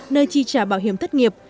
nơi chi trả bảo hiểm thất nghiệp